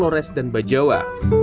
lores dan bajawa